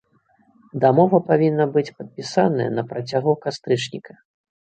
Дамова павінна быць падпісаная на працягу кастрычніка.